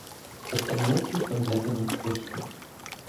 Es ernährt sich von Blättern und Früchten.